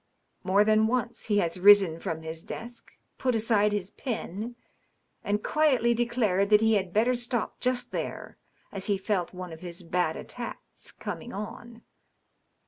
More than once he has risen from his desk, put aside his pen, and quietly declared that he had better stop just there, as he felt one of his bad attacks coming on."